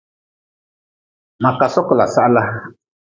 Ma ka sokla sahla.